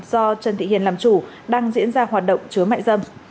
do trần thị hiền làm chủ đang diễn ra hoạt động chứa mại dâm